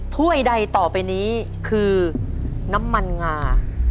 ถ้วยใดต่อไปนี้คือน้ำมันงา